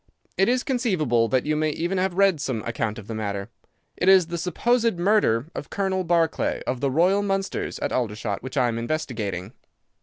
It is conceivable that you may even have read some account of the matter. It is the supposed murder of Colonel Barclay, of the Royal Mallows, at Aldershot, which I am investigating."